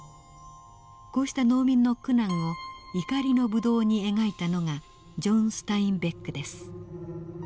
こうした農民の苦難を「怒りの葡萄」に描いたのがジョン・スタインベックです。